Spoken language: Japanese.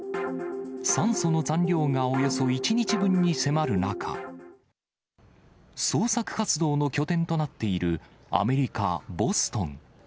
酸素の残量がおよそ１日分に迫る中、捜索活動の拠点となっているアメリカ・ボストン。